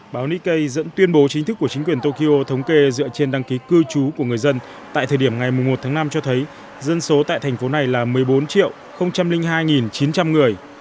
báo nikkei dẫn tuyên bố chính thức của chính quyền tokyo thống kê dựa trên đăng ký cư trú của người dân tại thời điểm ngày một tháng năm cho thấy dân số tại thành phố này là một mươi bốn hai chín trăm linh người